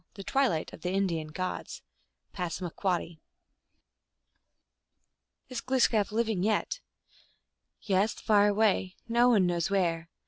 The Twilight of the Indian Gods. (Passamaquoddy.) "Is GloosJcap living yet?" " Yes, far away ; no one knows where.